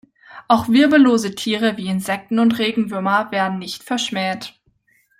Auch wirbellose Tiere wie Insekten und Regenwürmer werden nicht verschmäht.